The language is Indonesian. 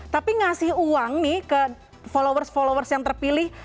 tapi ngasih uang nih ke followers followers yang terpilih